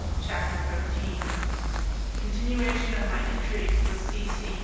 CHAPTER XIII Continuation of My Intrigues with C. C.